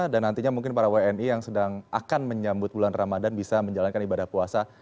dan nantinya mungkin para wni yang sedang akan menyambut bulan ramadhan bisa menjalankan ibadah puasa